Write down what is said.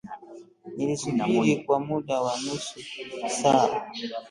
Nilisubiri kwa muda wa nusu saa